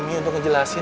dungu apa itu ri